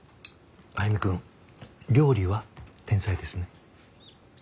歩くん料理は天才ですね。